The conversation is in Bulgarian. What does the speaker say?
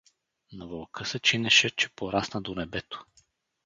На Вълка се чинеше, че порасна до небето.